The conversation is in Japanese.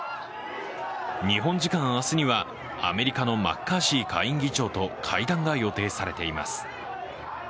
日本時間明日にはアメリカのマッカーシー下院議長と会談が予定されています。